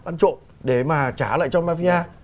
ăn trộn để mà trả lại cho mafia